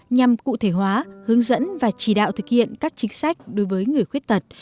nhằm cụ thể hóa hướng dẫn và chỉ đạo thực hiện các chính sách đối với người khuyết tật